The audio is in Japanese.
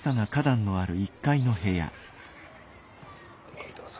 はいどうぞ。